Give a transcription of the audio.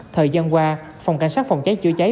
thời gian qua phòng cảnh sát phòng cháy chữa cháy